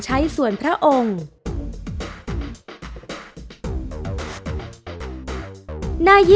จุดที่๓รวมภาพธนบัตรที่๙